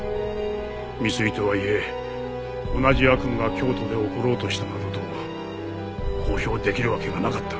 未遂とはいえ同じ悪夢が京都で起ころうとしたなどと公表できるわけがなかった。